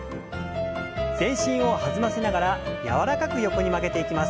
全身を弾ませながら柔らかく横に曲げていきます。